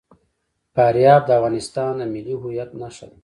فاریاب د افغانستان د ملي هویت نښه ده.